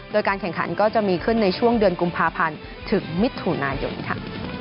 โดยการแข่งขันก็จะมีขึ้นในช่วงเดือนกุมภาพันธ์ถึงมิถุนายนค่ะ